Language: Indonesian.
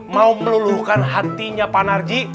mau meluluhkan hatinya panarji